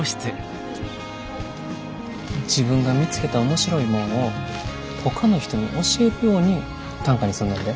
自分が見つけた面白いもんをほかの人に教えるように短歌にすんねんで。